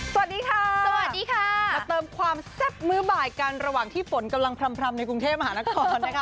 สวัสดีค่ะสวัสดีค่ะมาเติมความแซ่บมื้อบ่ายกันระหว่างที่ฝนกำลังพร่ำในกรุงเทพมหานครนะคะ